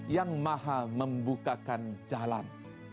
yang maha membukakan jalan